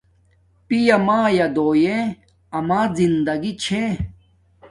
پیا مایا دویݵ اما زندگی چھے